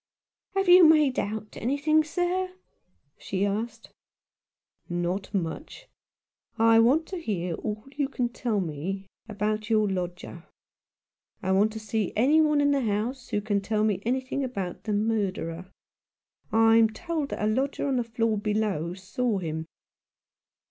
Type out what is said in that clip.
"Have you made out anything, sir?" she asked. " Not much. I want to hear all you can tell me 94 At Number Thirteen, Dynevor Street. about your lodger ; and I want to see any one in the house who can tell me anything about the murderer. I'm told that a lodger on the floor below saw him."